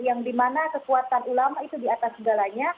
yang dimana kekuatan ulama itu di atas segalanya